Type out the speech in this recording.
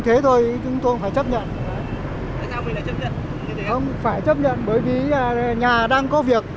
không phải chấp nhận bởi vì nhà đang